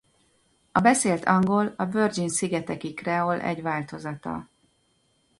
A beszélt angol a Virgin-szigeteki kreol egy változata.